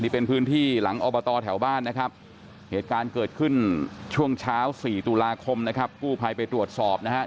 นี่เป็นพื้นที่หลังอบตแถวบ้านนะครับ